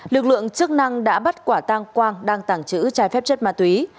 lực lượng chức năng đã bắt quả tang quang đang tàng trữ trái phép chất ma túy